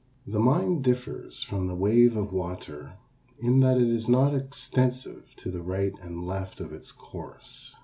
The mind differs from the wave of water in that it is not extensive to the right and left of its course.